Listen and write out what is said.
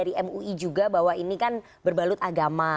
i juga bahwa ini kan berbalut agama